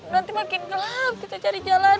nanti makin gelap kita cari jalan